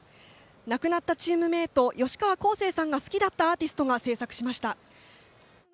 亡くなったチームメート吉川孝成さんが好きだったアーティストが制作しました。